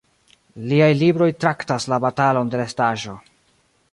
Liaj libroj traktas la "batalon de la estaĵo".